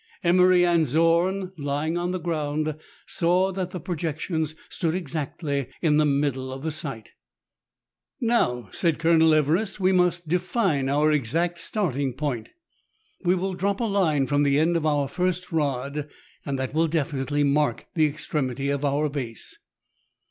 Emery and Zorn, lying on the ground, saw that the pro jections stood exactly in the middle of the sight. " Now," said Colonel Everest, "we must define our exact starting point. We will drop a line from the end of our first rod, and that will definitely mark the extremity of our base."